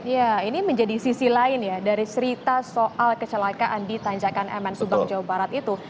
ya ini menjadi sisi lain ya dari cerita soal kecelakaan di tanjakan mn subang jawa barat itu